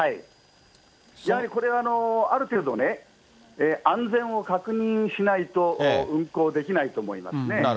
やはりこれはある程度ね、安全を確認しないと運行できないと思いますね。